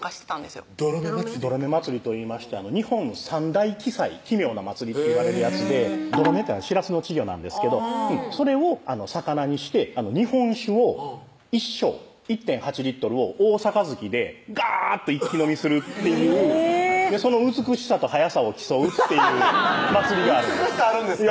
どろめ祭りといいまして日本三大奇祭奇妙な祭りっていわれるやつでどろめってのはしらすの稚魚なんですけどそれをさかなにして日本酒を一升１．８リットルを大杯でガーッと一気飲みするっていうその美しさと早さを競うっていうハハハッ美しさあるんですか？